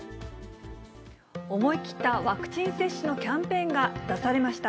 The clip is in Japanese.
思い切ったワクチン接種のキャンペーンが出されました。